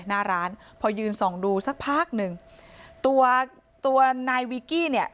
หน้าร้านพอยืนส่องดูสักพักหนึ่งตัวตัวนายวีกี้เนี่ย